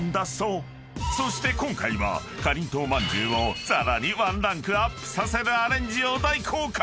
［そして今回はかりんとう饅頭をさらにワンランクアップさせるアレンジを大公開！］